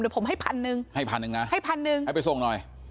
เดี๋ยวผมให้พันหนึ่งให้พันหนึ่งนะให้พันหนึ่งให้ไปส่งหน่อย